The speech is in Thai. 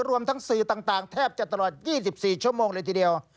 รวมทั้งสื่อต่างแทบจะตลอด๒๔ชั่วโมงเลยทีเดียว